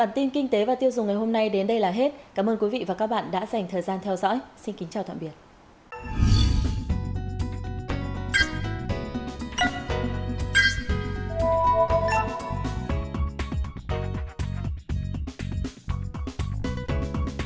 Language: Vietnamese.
hôm nay đến đây là hết cảm ơn quý vị và các bạn đã dành thời gian theo dõi